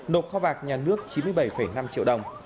nộp kho bạc nhà nước chín mươi bảy năm triệu đồng